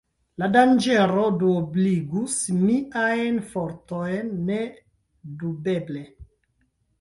La danĝero duobligus miajn fortojn, nedubeble.